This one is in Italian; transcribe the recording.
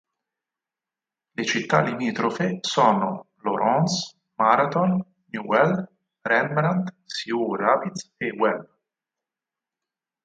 Le città limitrofe sono:Laurens, Marathon, Newell, Rembrandt, Sioux Rapids, e Webb.